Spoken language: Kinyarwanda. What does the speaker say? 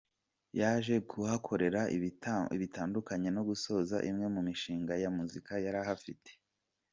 Yaje kuhakorera ibitaramo bitandukanye no gusoza imwe mu mishinga ya muzika yari ahafite.